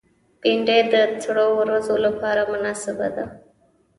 بېنډۍ د سړو ورځو لپاره مناسبه ده